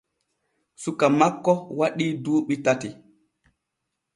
Suka makko waɗii duuɓi tati.